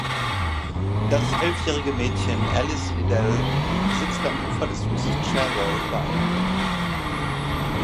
Das elfjährige Mädchen Alice Liddell sitz am Ufer des Flusses Cherwell bei einem Picknick.